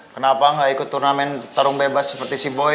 kenapa gak ikut turnamen tarung bebas seperti si boi